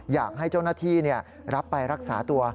อยากให้เจ้าหน้าที่รับไปรักษาตัว